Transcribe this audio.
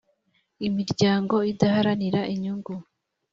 imiryango idaharanira inyungu